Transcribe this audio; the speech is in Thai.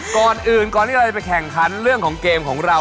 ขออนุญาตอยู่ตรงกลางครับ